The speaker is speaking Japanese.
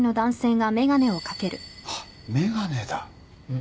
あっ眼鏡だ。